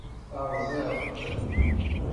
Teṛẓiḍ-t.